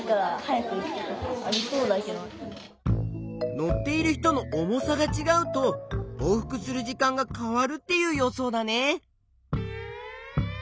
乗っている人の重さがちがうと往復する時間が変わるっていう予想だね。